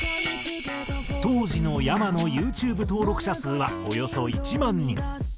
当時のｙａｍａのユーチューブ登録者数はおよそ１万人。